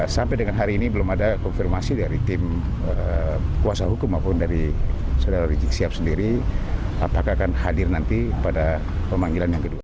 sampai dengan hari ini belum ada konfirmasi dari tim kuasa hukum maupun dari saudara rizik sihab sendiri apakah akan hadir nanti pada pemanggilan yang kedua